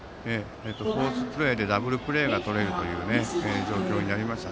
フォースプレーでダブルプレーがとれる状況になりました。